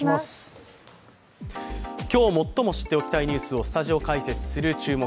今日最も知っておきたいニュースをスタジオ解説する「注目！